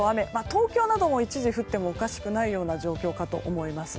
東京なども一時降ってもおかしくないような状況かと思います。